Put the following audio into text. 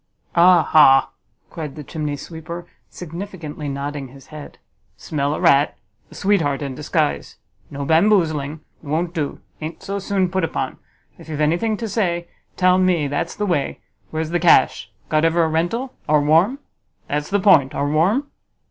"Ah ha!" cried the chimney sweeper, significantly nodding his head, "smell a rat! a sweetheart in disguise. No bamboozling! it won't do; a'n't so soon put upon. If you've got any thing to say, tell me, that's the way. Where's the cash? Got ever a rental? Are warm? That's the point; are warm?"